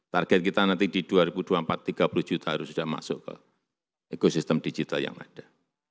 target kita nanti di dua ribu dua puluh empat tiga puluh juta harus sudah masuk ke ekosistem digital yang ada